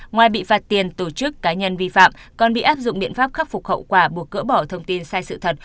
ngoài bị phạt tiền tổ chức cá nhân vi phạm còn bị áp dụng biện pháp khắc phục hậu quả buộc gỡ bỏ thông tin sai sự thật